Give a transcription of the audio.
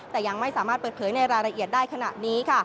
แต่ยังไม่สามารถเปิดเผยในรายละเอียดได้ขณะนี้ค่ะ